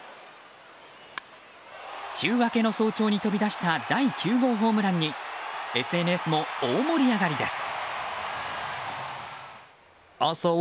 週明けの早朝に飛び出した第９号ホームランにＳＮＳも大盛り上がりです。